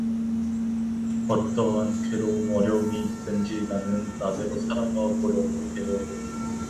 어떠한 괴로움 어려움이 있든지 나는 나대로 살아가 보려 해요.